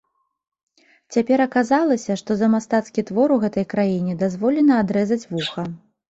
Цяпер аказалася, што за мастацкі твор у гэтай краіне дазволена адрэзаць вуха.